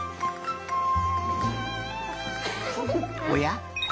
おや？